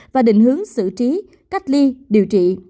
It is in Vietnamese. và định hướng xử trí cách ly điều trị